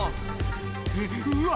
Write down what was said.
ってうわ